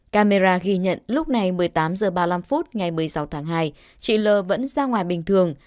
camera ghi nhận lúc này một mươi tám h ba mươi năm ngày một mươi sáu tháng hai chị l vẫn ra ngoài bình thường